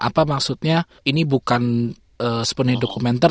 apa maksudnya ini bukan sepenuhnya dokumenter